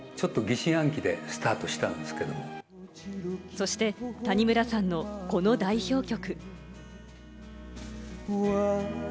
そして谷村さんの、この代表曲。